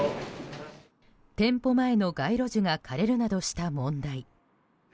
店舗前の街路樹が枯れるなどした問題。